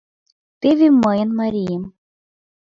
— Теве мыйын марием.